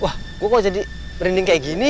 wah gua kok jadi merinding kayak gini ya